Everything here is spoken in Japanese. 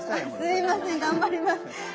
すいません頑張ります。